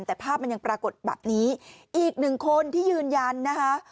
แต่ภาพมันยังปรากฏแบบนี้อีกหนึ่งคนที่ยืนยันนะคะ